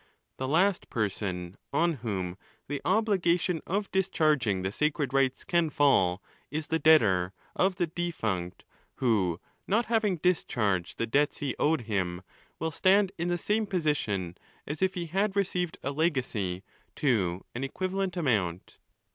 The last person on whom the: obligation of discharging the sacred rites can fall, is the debtor. of the defunct, who 'not having discharged the debts he owed him, will stand in the same position as if he had received a leeacy to an equivalent amount.